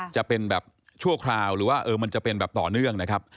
จะเป็นแบบชั่วคราวหรือว่ามันจะเป็นแบบต่อเนื่องนะครับ